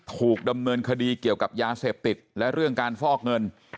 ถูกดำเนินคดีเกี่ยวกับยาเสพติดและเรื่องการฟอกเงิน